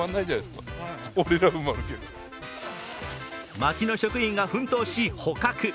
町の職員が奮闘し捕獲。